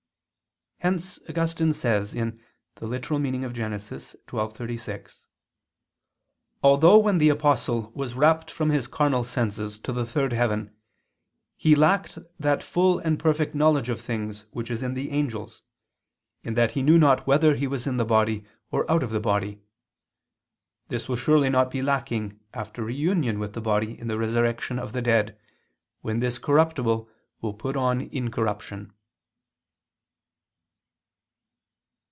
Hence Augustine says (Gen. ad lit. xii, 36): "Although, when the Apostle was rapt from his carnal senses to the third heaven, he lacked that full and perfect knowledge of things which is in the angels, in that he knew not whether he was in the body, or out of the body, this will surely not be lacking after reunion with the body in the resurrection of the dead, when this corruptible will put on incorruption."